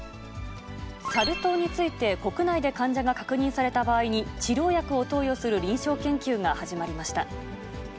サル痘について、国内で患者が確認された場合に、治療薬を投与する臨床研究が始まりました。